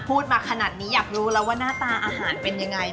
พูดมาขนาดนี้อยากรู้แล้วว่าหน้าตาอาหารเป็นยังไง